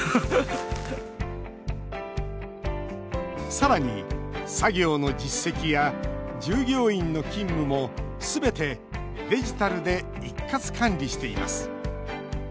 さらに、作業の実績や従業員の勤務もすべてデジタルで一括管理しています。